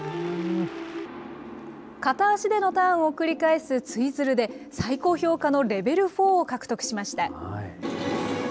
片足でのターンを繰り返すツイズルで、最高評価のレベルフォーを獲得しました。